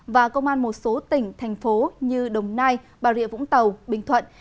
và công an một số tỉnh thành phố như đồng nai bà rịa vũng tàu bình thuận